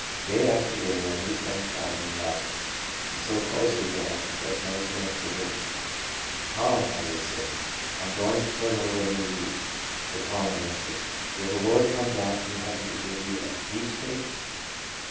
Day after day my new friend followed me up, and so closely that I could get no chance to drink. " Tom," I would say, " I 'm going to turn over a new leaf." But Tom would answer, " Will the Lord come down from heaven to give you a beefsteak